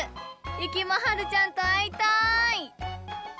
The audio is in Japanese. ゆきもはるちゃんとあいたい！